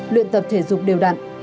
luyện tập thể dục đều đặn